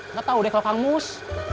nggak tahu deh kalau kang mus